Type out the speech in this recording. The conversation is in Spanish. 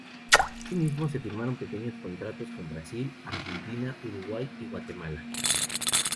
Asimismo, se firmaron pequeños contratos con Brasil, Argentina, Uruguay y Guatemala.